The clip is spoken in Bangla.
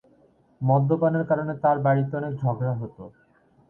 মদ্যপানের কারণে তার বাড়িতে অনেক ঝগড়া হতো।